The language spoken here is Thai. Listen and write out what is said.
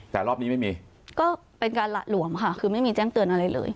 แต่รอบนี้ไม่มีก็เป็นการหละหลวมค่ะคือไม่มีแจ้งเตือนอะไรเลย